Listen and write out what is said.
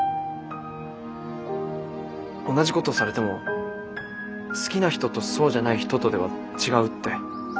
同じことされても好きな人とそうじゃない人とでは違うって。